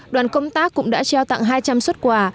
đoàn công tác cũng đã trao tặng hai trăm linh xuất quà